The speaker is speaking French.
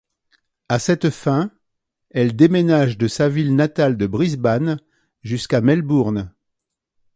À cette fin, elle déménage de sa ville natale de Brisbane jusqu'à Melbourne.